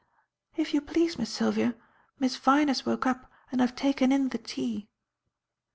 "If you please, Miss Sylvia, Miss Vyne has woke up and I've taken in the tea."